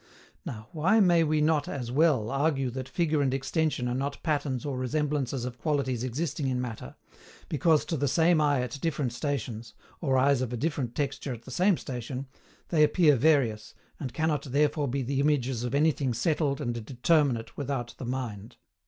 Now, why may we not as well argue that figure and extension are not patterns or resemblances of qualities existing in Matter, because to the same eye at different stations, or eyes of a different texture at the same station, they appear various, and cannot therefore be the images of anything SETTLED AND DETERMINATE WITHOUT THE MIND?